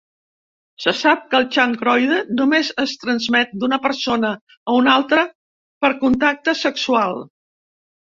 Se sap que el xancroide només es transmet d'una persona a una altra per contacte sexual.